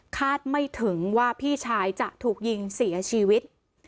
ไม่ถึงว่าพี่ชายจะถูกยิงเสียชีวิต